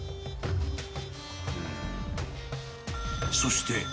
［そして］